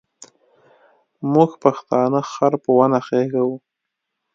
موږ پښتانه خر په ونه خېزوو.